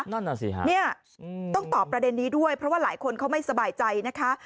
นั่นน่ะสิฮะเนี่ยต้องตอบประเด็นนี้ด้วยเพราะว่าหลายคนเขาไม่สบายใจนะคะ